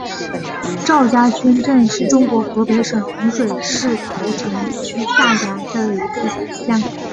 赵家圈镇是中国河北省衡水市桃城区下辖的一个镇。